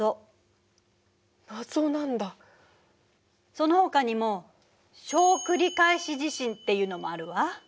そのほかにも「小繰り返し地震」っていうのもあるわ。